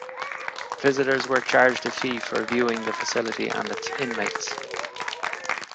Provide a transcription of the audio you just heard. Visitors were charged a fee for viewing the facility and its inmates.